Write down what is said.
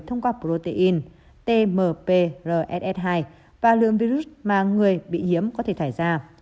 thông qua protein tmprss hai và lượng virus mà người bị hiếm có thể thải ra